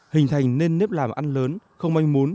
hình thành nên nếp làm ăn lớn không manh muốn